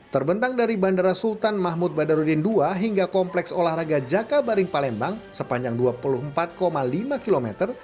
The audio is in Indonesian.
terbentang dari bandara sultan mahmud badarudin ii hingga kompleks olahraga jakabaring palembang sepanjang dua puluh empat lima km